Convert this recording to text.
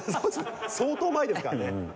相当前ですからね。